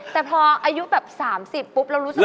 แต่พออายุแบบ๓๐ปุ๊บเรารู้สึก